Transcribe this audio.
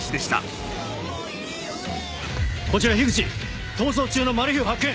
こちら口逃走中のマルヒを発見！